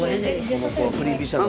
この子は振り飛車なのかな。